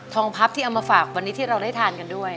งพับที่เอามาฝากวันนี้ที่เราได้ทานกันด้วย